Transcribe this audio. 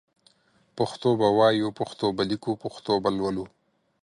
پښتو به وايو پښتو به ليکو پښتو به لولو